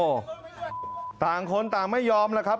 โอ้โหต่างคนต่างไม่ยอมแล้วครับ